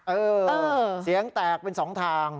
เออเสียงแตกเป็นสองทาง